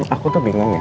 aku tuh bingung ya